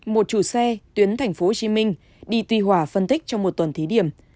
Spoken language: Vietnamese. một chủ xe tuyến tp hcm đi tuy hòa phân tích trong một tuần thí điểm